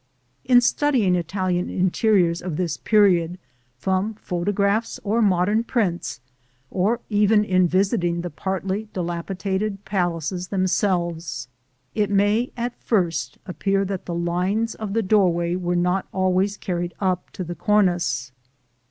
In studying Italian interiors of this period from photographs or modern prints, or even in visiting the partly dilapidated palaces themselves, it may at first appear that the lines of the doorway were not always carried up to the cornice.